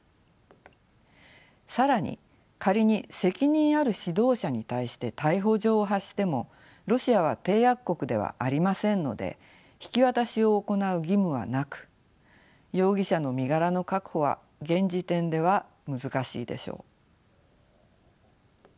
更に仮に責任ある指導者に対して逮捕状を発してもロシアは締約国ではありませんので引き渡しを行う義務はなく容疑者の身柄の確保は現時点では難しいでしょう。